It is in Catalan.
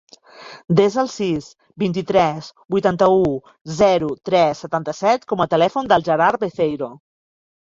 Desa el sis, vint-i-tres, vuitanta-u, zero, tres, setanta-set com a telèfon del Gerard Beceiro.